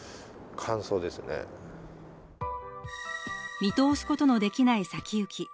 見通すことのできない先行き。